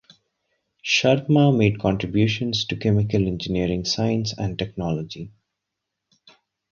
Sharma made contributions to chemical engineering science and technology.